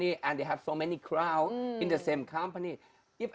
dan mereka memiliki banyak orang di perusahaan yang sama